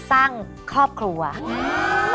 สวัสดีครับ